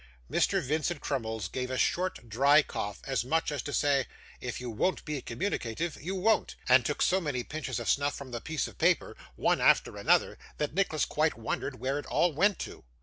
Mr. Vincent Crummles gave a short dry cough, as much as to say, 'If you won't be communicative, you won't;' and took so many pinches of snuff from the piece of paper, one after another, that Nicholas quite wondered where it all went to.